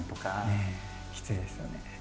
ねえきついですよね。